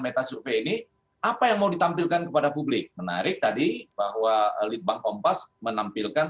meta survei ini apa yang mau ditampilkan kepada publik menarik tadi bahwa litbang kompas menampilkan